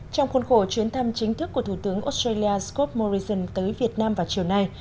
trong khuôn khổ chuyến thăm chính thức của thủ tướng australia scott morrison tới việt nam vào chiều nay